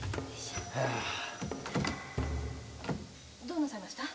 どうなさいました？